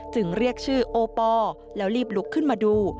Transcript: เรียกชื่อโอปอลแล้วรีบลุกขึ้นมาดู